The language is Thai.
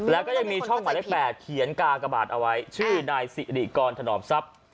แล้วก็ยังมีช่องหมายเลข๘เขียนกากบาทเอาไว้ชื่อนายสิริกรถนอมทรัพย์